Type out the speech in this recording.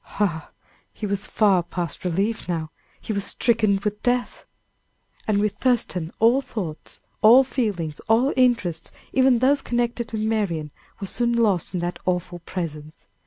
Ah! he was far past relief now; he was stricken with death. And with Thurston all thoughts, all feelings, all interests, even those connected with Marian, were soon lost in that awful presence.